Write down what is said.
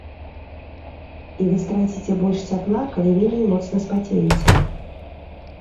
І вы страціце больш цяпла, калі вельмі моцна спацееце.